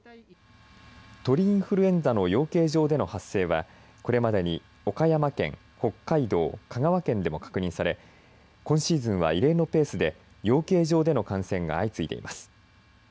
鳥インフルエンザの養鶏場での発生はこれまでに岡山県、北海道、香川県でも確認され今シーズンは異例のペースで養鶏場での感染が相次いでいます。